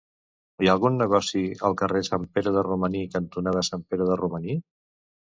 Hi ha algun negoci al carrer Sant Pere de Romaní cantonada Sant Pere de Romaní?